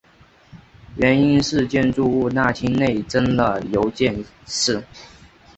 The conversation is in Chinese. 原因是建筑物大厅内增加了邮件室。